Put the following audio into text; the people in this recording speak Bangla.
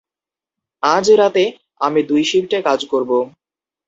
আজ রাতে আমি দুই শিফটে কাজ করব।